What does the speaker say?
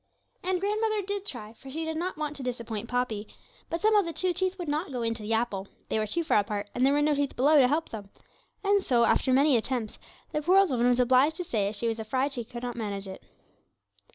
And grandmother did try for she did not want to disappoint Poppy. But somehow the two teeth would not go into the apple; they were too far apart, and there were no teeth below to help them; and so, after many attempts, the poor old woman was obliged to say she was afraid she could not manage it.